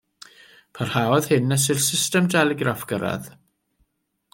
Parhaodd hyn nes i'r system deligraff gyrraedd.